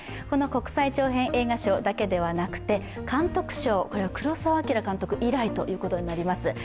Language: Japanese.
この国際長編映画賞だけではなくて、監督賞、これは黒澤明監督以来となります。